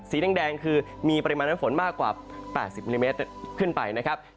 สีแดงคือมีปริมาณน้ำฝนมากกว่า๘๐มิลลิเมตรขึ้นไปนะครับ